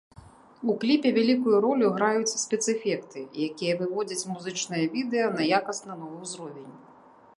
У кліпе вялікую ролю граюць спецэфекты, якія выводзяць музычнае відэа на якасна новы ўзровень.